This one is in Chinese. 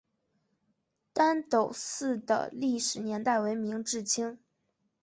旦斗寺的历史年代为明至清。